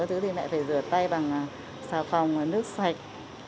thì mẹ phải rửa tay bằng xào phòng và nước sạch